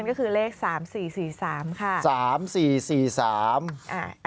นั่นก็คือเลข๓๔๔๓ค่ะ